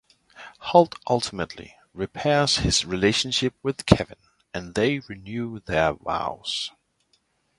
Holt ultimately repairs his relationship with Kevin and they renew their vows.